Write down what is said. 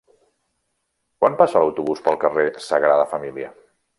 Quan passa l'autobús pel carrer Sagrada Família?